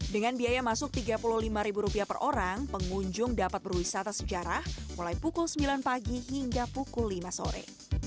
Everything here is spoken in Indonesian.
dengan biaya masuk rp tiga puluh lima per orang pengunjung dapat berwisata sejarah mulai pukul sembilan pagi hingga pukul lima sore